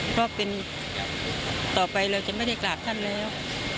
เพราะเป็นต่อไปเราจะไม่ได้กราบท่านแล้ว